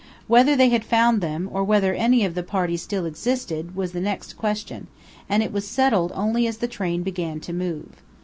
Whether they had found them, or whether any of the party still existed, was the next question; and it was settled only as the train began to move.